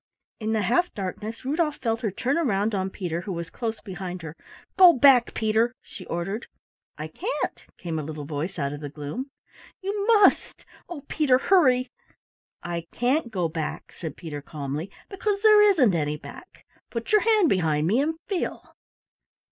In the half darkness Rudolf felt her turn round on Peter, who was close behind her. "Go back, Peter," she ordered. "I can't," came a little voice out of the gloom. "You must oh, Peter, hurry!" "I can't go back," said Peter calmly, "because there isn't any back. Put your hand behind me and feel."